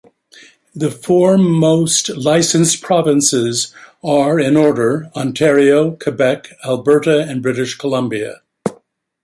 The four most licensed provinces are, in order, Ontario, Quebec, Alberta and British Columbia.